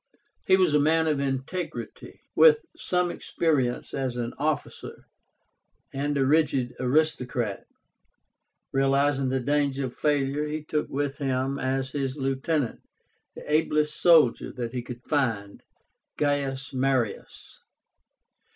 He was a man of integrity, with some experience as an officer, and a rigid aristocrat. Realizing the danger of failure, he took with him as his lieutenant the ablest soldier that he could find, GAIUS MARIUS.